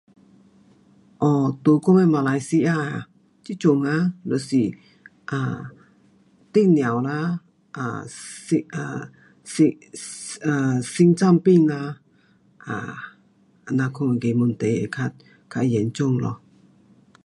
哦，在我们马来西亚这阵就是。。。啊。。。糖尿啦。。。心脏病啊。这样款的问题较严重咯